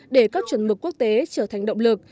để các chuẩn mực quốc tế trở thành động lực